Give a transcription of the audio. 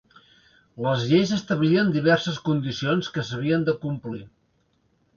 Les lleis establien diverses condicions que s'havien de complir.